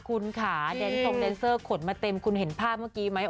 คุณค่ะแดนทรงแดนเซอร์ขนมาเต็มคุณเห็นภาพเมื่อกี้ไหม